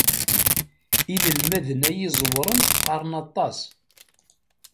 Inelmaden ay iẓewren qqaren aṭas.